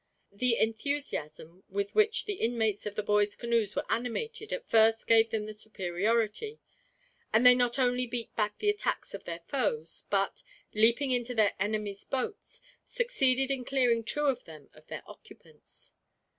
The enthusiasm with which the inmates of the boys' canoes were animated at first gave them the superiority, and they not only beat back the attacks of their foes but, leaping into their enemy's boats, succeeded in clearing two of them of their occupants.